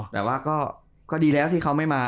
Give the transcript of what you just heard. แต่ว่าก็ดีแล้วที่เขาไม่มา